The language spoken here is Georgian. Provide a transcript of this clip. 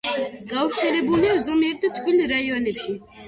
გავრცელებულია ზომიერ და თბილ რაიონებში.